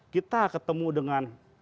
kita ketemu dengan